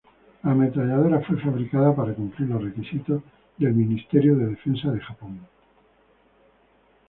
La ametralladora fue fabricada para cumplir los requisitos del Ministerio de Defensa de Japón.